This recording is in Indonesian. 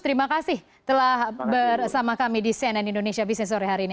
terima kasih telah bersama kami di cnn indonesia business sore hari ini